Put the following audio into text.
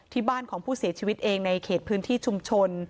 ที่บ้านของผู้เสียชีวิตเองในเขตพื้นที่ชุมชน